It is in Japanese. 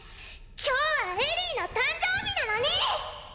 今日はエリィの誕生日なのに！